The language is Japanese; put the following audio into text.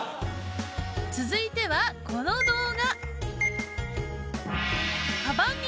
続いてはこの動画。